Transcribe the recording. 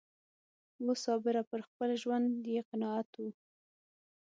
وو صابره پر خپل ژوند یې قناعت و